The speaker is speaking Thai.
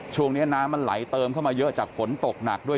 ช่วงนี้น้ำมันไหลเติมเข้ามาเยอะจากฝนตกหนักด้วย